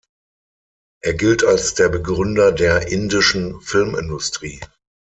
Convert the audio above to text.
Er gilt als der Begründer der indischen Filmindustrie.